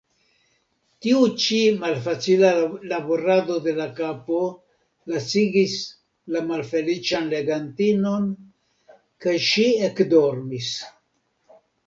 Tiu ĉi malfacila laborado de la kapo lacigis la malfeliĉan legantinon, kaj ŝi ekdormis.